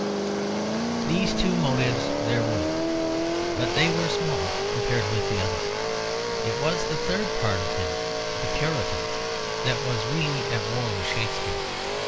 These two motives there were, but they were small compared with the other. It was the third part of him, the Puritan, that was really at war with Shakespeare.